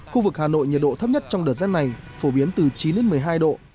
khu vực hà nội nhiệt độ thấp nhất trong đợt rét này phổ biến từ chín đến một mươi hai độ